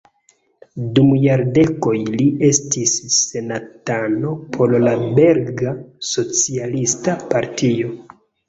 Dum jardekoj li estis senatano por la belga socialista partio.